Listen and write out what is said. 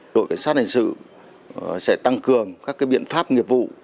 đội cảnh sát hành sự sẽ tăng cường các biện pháp nghiệp vụ